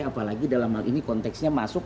apalagi dalam hal ini konteksnya masuk